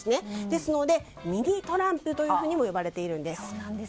ですのでミニ・トランプというふうにも呼ばれているんです。